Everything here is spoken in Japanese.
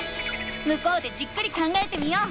向こうでじっくり考えてみよう。